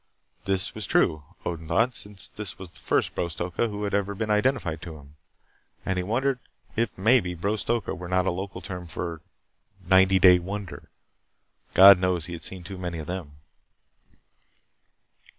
This was true, Odin thought, since this was the first Bro Stoka who had ever been identified to him. And he wondered if maybe Bro Stoka were not a local term for "Ninety Day Wonder." God knows he had seen too many of them.